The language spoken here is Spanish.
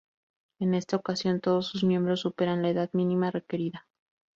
En esta ocasión, todos sus miembros superan la edad mínima requerida.